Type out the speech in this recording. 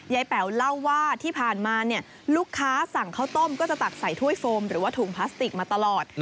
แป๋วเล่าว่าที่ผ่านมาเนี่ยลูกค้าสั่งข้าวต้มก็จะตักใส่ถ้วยโฟมหรือว่าถุงพลาสติกมาตลอด